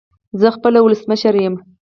زه خپله ولسمشر يم